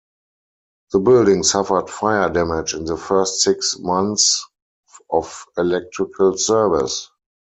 The building suffered fire damage in the first six months of electrical service.